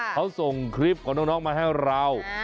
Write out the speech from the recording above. เขาส่งคลิปของน้องมาให้เรา